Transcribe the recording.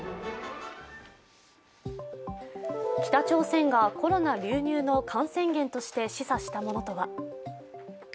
北朝鮮がコロナ流入の感染源として示唆したものとは。